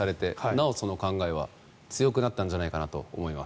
なおその考えは強くなったんじゃないかなと思います。